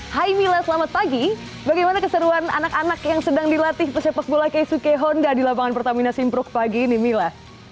hai mila selamat pagi bagaimana keseruan anak anak yang sedang dilatih pesepak bola keisuke honda di lapangan pertamina simprok pagi ini mila